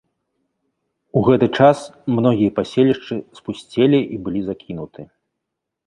У гэты час многія паселішчы спусцелі і былі закінуты.